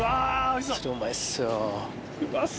うまいっすよ。